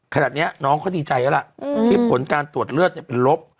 ขนาดนี้น้องเขาดีใจแล้วล่ะที่ผลการตรวจเลือดเป็นลบ